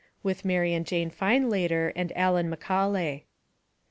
(With Mary and Jane Findlater and Allan McAulay.)